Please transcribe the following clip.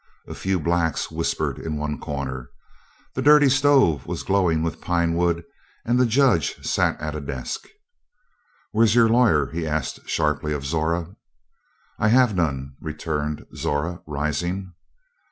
A few blacks whispered in one corner. The dirty stove was glowing with pine wood and the Judge sat at a desk. "Where's your lawyer?" he asked sharply of Zora. "I have none," returned Zora, rising.